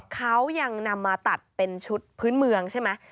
เขายังนำมาตัดเป็นชุดพื้นเมืองใช่ไหม